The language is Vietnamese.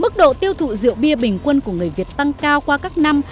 mức độ tiêu thụ rượu bia bình quân của người việt tăng cao qua các năm